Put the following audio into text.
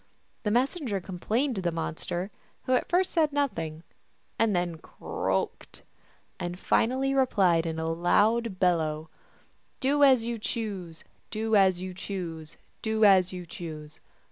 The messenger complained to this monster, who at first said nothing, and then croaked, and finally re plied in a loud bellow, " Do as you choose, Do as you choose, Do as you choose.